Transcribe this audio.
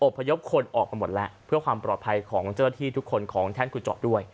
อบพยพคนออกกันหมดและเพื่อความปลอดภัยของเจ้าที่ทุกคนของแท่นคุณจอบด้วย